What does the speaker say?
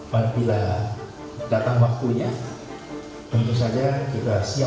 bila datang waktunya tentu saja kita simpan